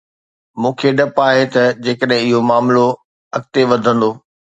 مون کي ڊپ آهي ته جيڪڏهن اهو معاملو اڳتي وڌندو.